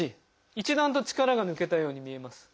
一段と力が抜けたように見えます。